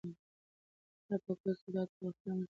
آیا په کورس کې تاته د خپلو مشرانو بې احترامي در زده کوي؟